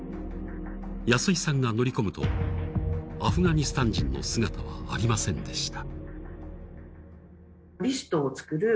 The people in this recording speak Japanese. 安井さんが乗り込むと、アフガニスタン人の姿はありませんでした。